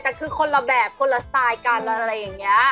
แต่คือคนละแบบคนละสไตล์กันอะไรอย่างนี้